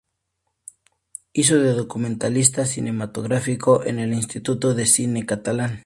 Hizo de documentalista cinematográfica en el Instituto de Cine Catalán.